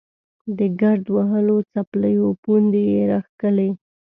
د ګرد وهلو څپلیو پوندې یې راښکلې.